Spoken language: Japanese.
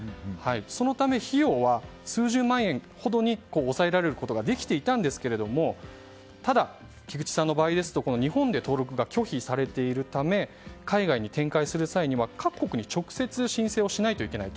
そのため、費用は数十万円ほどに抑えることができていたんですがただ、菊地さんの場合ですと日本で登録が拒否されているため海外に展開する際には各国に直接申請をしないといけない。